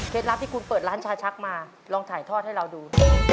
ลับที่คุณเปิดร้านชาชักมาลองถ่ายทอดให้เราดู